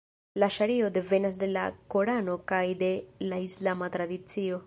La ŝario devenas de la Korano kaj de la islama tradicio.